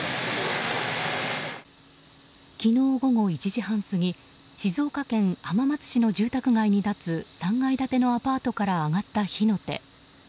昨日午後１時半過ぎ静岡県浜松市の住宅街に立つ３階建てのアパートから上がった火の手。